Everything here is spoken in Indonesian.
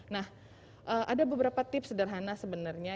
nah ada beberapa tips sederhana sebenarnya